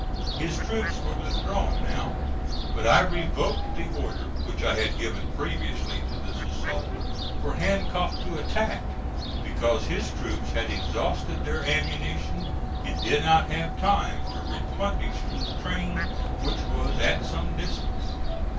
His troops were withdrawn now, but I revoked the order, which I had given previously to this assault, for Hancock to attack, because his troops had exhausted their ammunition and did not have time to replenish from the train, which was at some distance.